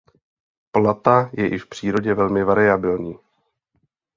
Plata je i v přírodě velmi variabilní.